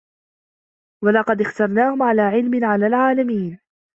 وَلَقَدِ اختَرناهُم عَلى عِلمٍ عَلَى العالَمينَ